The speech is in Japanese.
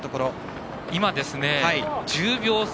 今、１０秒差。